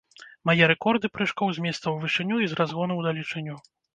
Мае рэкорды прыжкоў з месца ў вышыню і з разгону ў далечыню.